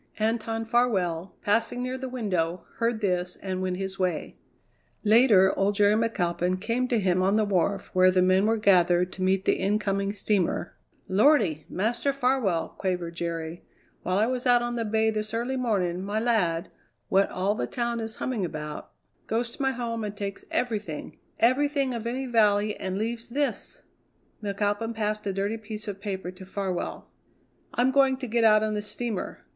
Anton Farwell, passing near the window, heard this and went his way. Later old Jerry McAlpin came to him on the wharf where the men were gathered to meet the incoming steamer. "Lordy! Master Farwell," quavered Jerry; "while I was out on the bay this early morning, my lad, what all the town is humming about, goes to my home and takes everything everything of any vally and leaves this " McAlpin passed a dirty piece of paper to Farwell. "I'm going to get out on the steamer.